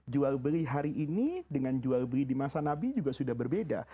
jual beli hari ini dengan jual beli di masa nabi juga sudah berbeda